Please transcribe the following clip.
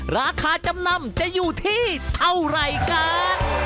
ราคาจำนำจะอยู่ที่เท่าไหร่กัน